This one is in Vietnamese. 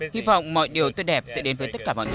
hy vọng mọi điều tốt đẹp sẽ đến với tất cả mọi người